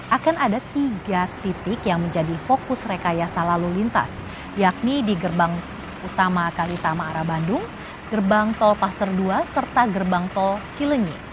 akan ada tiga titik yang menjadi fokus rekayasa lalu lintas yakni di gerbang utama kalitama arah bandung gerbang tol paster ii serta gerbang tol cilenyi